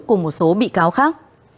cùng một số bị cáo khác